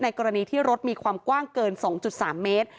กรณีที่รถมีความกว้างเกิน๒๓เมตร